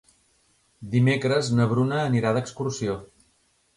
Dimecres na Bruna anirà d'excursió.